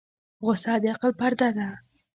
غوسه د عقل پرده ده.